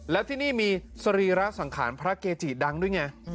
แล้วที่นี่มีสรีระสังขารพระเกจิดังด้วยไง